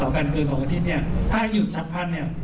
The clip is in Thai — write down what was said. รวมกันไป๑๐๐เมตรนะ